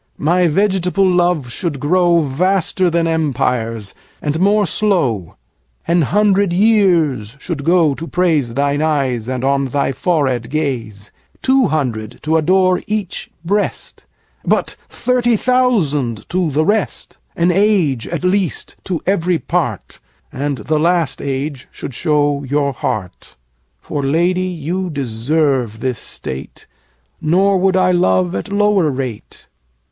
10 My vegetable love should grow Vaster than empires, and more slow; An hundred years should go to praise Thine eyes and on thy forehead gaze; Two hundred to adore each breast, 15 But thirty thousand to the rest; An age at least to every part, And the last age should show your heart. For, Lady, you deserve this state, Nor would I love at lower rate.